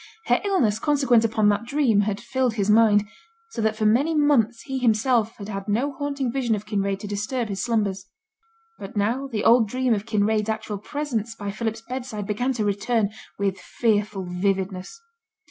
Her illness consequent upon that dream had filled his mind, so that for many months he himself had had no haunting vision of Kinraid to disturb his slumbers. But now the old dream of Kinraid's actual presence by Philip's bedside began to return with fearful vividness.